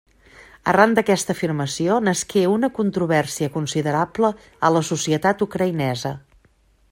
Arran d'aquesta afirmació, nasqué una controvèrsia considerable a la societat ucraïnesa.